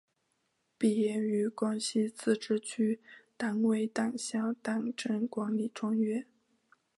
毕业于广西自治区党委党校党政管理专业。